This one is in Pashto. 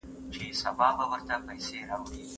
سياسي جرګې د افغاني کلتور برخه ده.